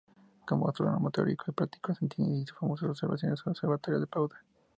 Como astrónomo teórico y práctico, Santini hizo famosas observaciones en el Observatorio de Padua.